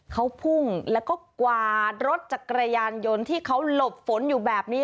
เขาพุ่งแล้วก็กวาดรถจักรยานยนต์ที่เขาหลบฝนอยู่แบบนี้